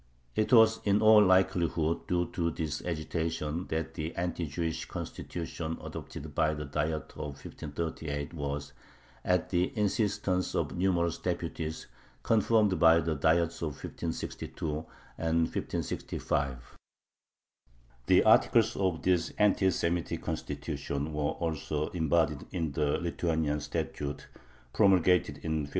It was in all likelihood due to this agitation that the anti Jewish "constitution" adopted by the Diet of 1538 was, at the insistence of numerous deputies, confirmed by the Diets of 1562 and 1565. The articles of this anti Semitic "constitution" were also embodied in the "Lithuanian Statute" promulgated in 1566.